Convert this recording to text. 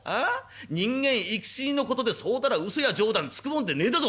人間生き死にの事でそうだらウソや冗談つくもんでねえだぞ！」。